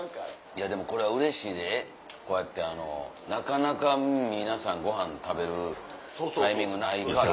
いやでもこれはうれしいでこうやってあのなかなか皆さんごはん食べるタイミングないから。